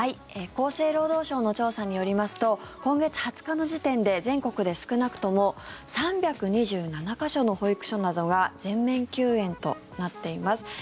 厚生労働省の調査によりますと今月２０日の時点で全国で少なくとも３２７か所の保育所などが全面休園となっています。